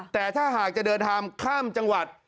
แต่ถ้าหากจะเดินทางข้ามจังหวัด